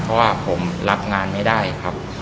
เพราะว่าผมรับงานไม่ได้ครับ